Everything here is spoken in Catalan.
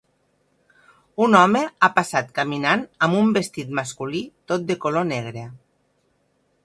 Un home ha passat caminant amb un vestit masculí tot de color negre.